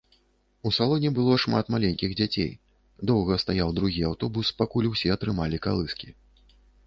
У салоне было шмат маленькіх дзяцей, доўга стаяў другі аўтобус, пакуль усе атрымалі калыскі.